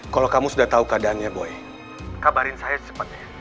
kalau kamu sudah tahu keadaannya boy kabarin saya cepatnya